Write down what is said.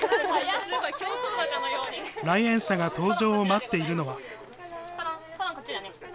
来園者が登場を待っているのは。